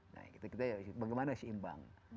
nah gitu gitu ya bagaimana sih imbang